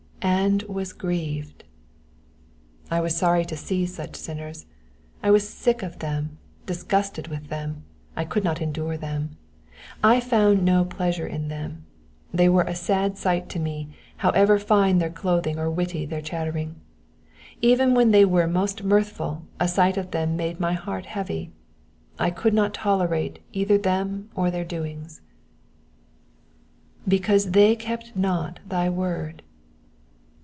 ^^And was grieoed.'^'' I was sorry to see such sinners. I was sick of them, dis gusted with them, I could not endure them. I found no pleasure in them, they were a sad sight to me, however fine their clothing or witty their chattering. Even when they were most mirthful a sight of them made my heart heavy ; I could not tolerate either them or their doings. "^^ Because they kept not thy word.'